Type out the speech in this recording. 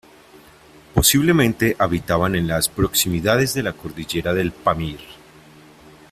Posiblemente habitaban en las proximidades de la cordillera del Pamir.